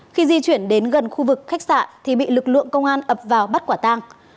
khi di chuyển đến gần khu vực khách sạn thì bị lực lượng công an ập vào bắt quả tang